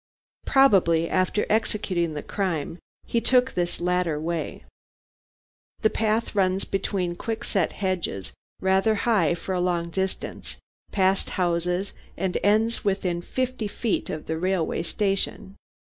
Probably, after executing the crime, he took this latter way. The path runs between quickset hedges, rather high, for a long distance, past houses, and ends within fifty yards of the railway station.